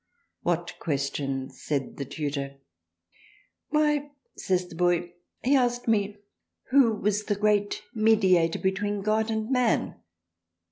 What questions said the Tutor, why says the Boy he asked me who was the great Mediatour between God and Man